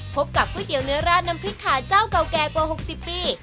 พบกับก๋วยเตี๋ยเนื้อราดน้ำพริกขาเจ้าเก่าแก่กว่า๖๐ปี